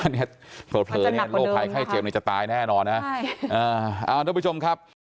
โทษเผลอเนี่ยโลกภัยไข้เจียมนี้จะตายแน่นอนนะ